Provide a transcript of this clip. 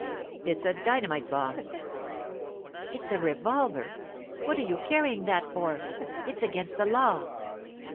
'It's a dynamite bomb.' 'It's a revolver! What are you carrying that for? It's against the law.